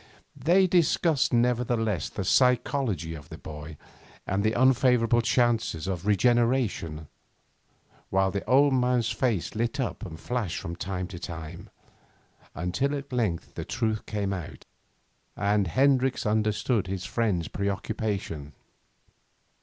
They discussed, nevertheless, the psychology of the boy, and the unfavourable chances of regeneration, while the old man's face lit up and flashed from time to time, until at length the truth came out, and Hendricks understood his friend's preoccupation.